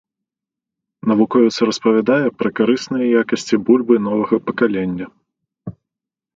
Навуковец распавядае пра карысныя якасці бульбы новага пакалення.